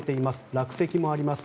落石もあります。